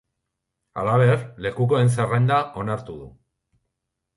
Halaber, lekukoen zerrenda onartu du.